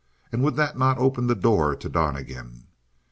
And would not that open the door to Donnegan?